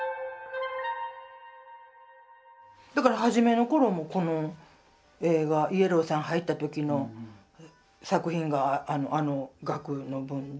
だから初めの頃もこの絵がＹＥＬＬＯＷさん入った時の作品があの額の分で。